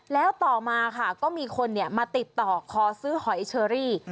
แล้วต่อมาค่ะก็มีคนมาติดต่อขอซื้อหอยเชอรี่